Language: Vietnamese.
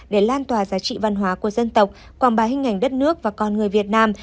để lan tỏa giá trị văn hóa của dân tộc quảng bá hình ảnh đất nước và con người việt nam